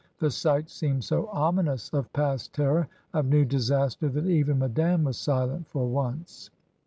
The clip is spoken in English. The sight seemed so ominous of past terror, of new disaster, that even Madame was silent for once.